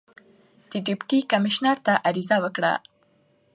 د ډیپټي کمیشنر ته عریضه وکړه.